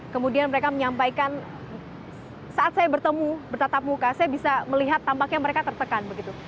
kemudian mereka menyampaikan saat saya bertemu bertatap muka saya bisa melihat tampaknya mereka tertekan begitu